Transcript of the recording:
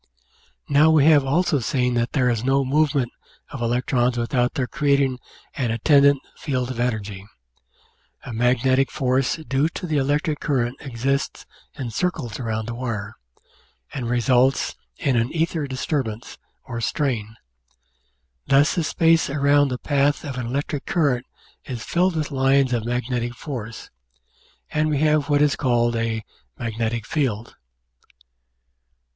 Now we have also seen (p. 273) that there is no movement of electrons without their creating an attendant field of energy; a magnetic force due to the electric current exists in circles around the wire, and results in an ether disturbance, or strain. Thus the space around the path of an electric current is filled with lines of magnetic force, and we have what is called a "magnetic field."